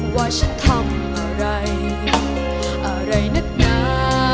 ว่าฉันทำอะไรอะไรนักหนา